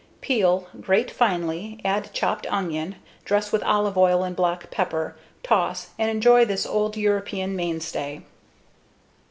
Peel, grate finely, add chopped onion, dress with olive oil and black pepper, toss, and enjoy this old Eastern European mainstay.